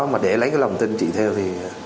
mà để lấy cái lòng tin chị theo thì